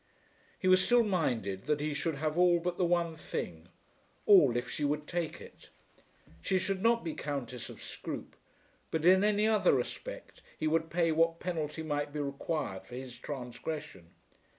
He was still minded that she should have all but the one thing, all if she would take it. She should not be Countess of Scroope; but in any other respect he would pay what penalty might be required for his transgression.